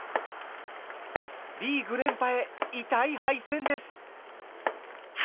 リーグ連覇へ痛い敗戦です。